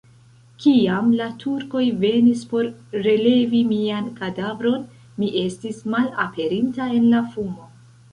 Kiam la Turkoj venis por relevi mian kadavron, mi estis malaperinta en la fumo.